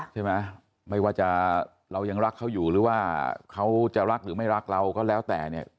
ใช่ไหมไม่ว่าจะเรายังรักเขาอยู่หรือว่าเขาจะรักหรือไม่รักเราก็แล้วแต่เนี่ย